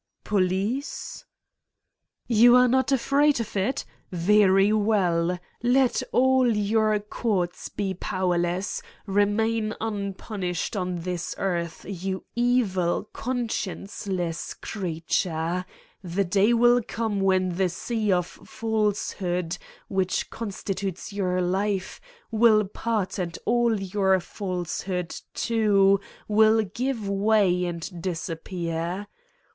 "Police?" "You are not afraid of it? Very well. Let all your courts be powerless, remain unpunished on 251 Satan's Diary this earth, you evil conscienceless creature! The day will come when the sea of falsehood, which constitutes your life, will part and all your false hood, too, will give way and disappear.